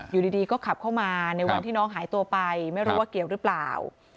อยู่ดีก็ขับเข้ามาในวันที่น้องหายตัวไปไม่รู้ว่าเกี่ยวหรือเปล่า